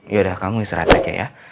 yaudah kamu istirahat aja ya